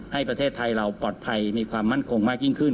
ให้ประเทศไทยเราปลอดภัยมีความมั่นคงมากยิ่งขึ้น